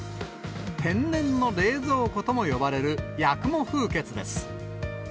天然の冷蔵庫とも呼ばれる八雲風穴です。